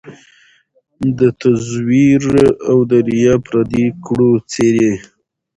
د تزویر او د ریا پردې کړو څیري